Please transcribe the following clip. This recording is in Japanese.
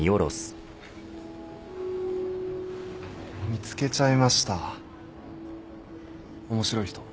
見つけちゃいました面白い人。